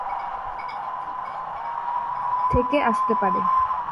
থেকে আসতে পারে!